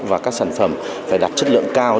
và các sản phẩm phải đặt chất lượng cao